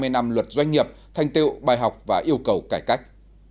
hai mươi năm luật doanh nghiệp thành tiệu bài học và yêu cầu cải cách